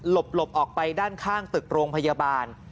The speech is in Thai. หลบออกไปด้านข้างตึกโรงพยาบาล